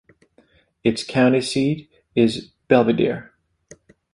Its county seat is Belvidere.